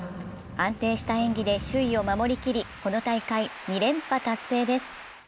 安定した演技で首位を守りきりこの大会、２連覇達成です。